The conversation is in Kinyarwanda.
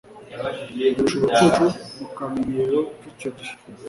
undusha ubucucu mu kamenyero k’icyo gihe